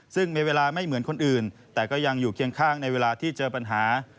ซึ่งมีเวลาไม่เหมือนคนอื่นแต่ก็ยังอยู่เคียงข้างในเวลาที่เจอปัญหา